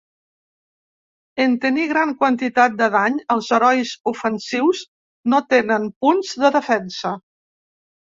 En tenir gran quantitat de dany, els herois ofensius no tenen punts de defensa.